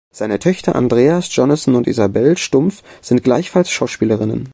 Seine Töchter Andrea Jonasson und Isabel Stumpf sind gleichfalls Schauspielerinnen.